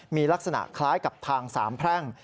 มีลักษณะคล้ายกับทางสามแพร่ง